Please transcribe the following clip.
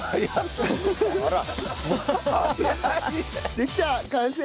できた完成！